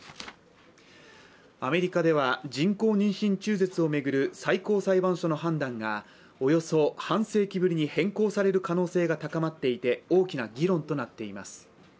アメリカでは人工妊娠中絶を巡る最高裁判所の判断がおよそ半世紀ぶりに変更される可能性が高まっていて大きな議論となっています。